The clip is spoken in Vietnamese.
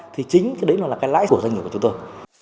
thì chính cái đấy nó là cái lãi của doanh nghiệp của chúng tôi